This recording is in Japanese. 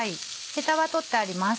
ヘタは取ってあります。